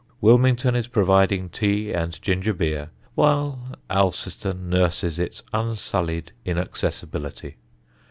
Wilmington is providing tea and ginger beer while Alciston nurses its unsullied inaccessibility.